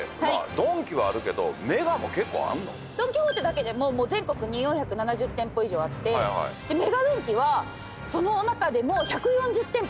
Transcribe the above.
ドン・キホーテだけで全国に４７０店舗以上あってＭＥＧＡドンキはその中でも１４０店舗